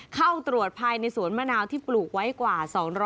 เข้าตรวจภายในสวนมะนาวที่ปลูกไว้กว่า